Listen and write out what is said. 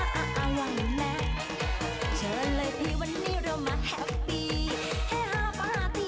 แฮฟปีแฮฮาปาร์ตี้มาโจ๊กมาโจ๊กกันหน่อยน่า